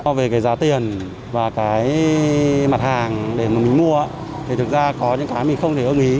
so với cái giá tiền và cái mặt hàng để mà mình mua thì thực ra có những cái mình không thể ưng ý